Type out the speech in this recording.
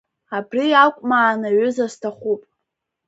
Абри акәмаан аҩыза сҭахуп.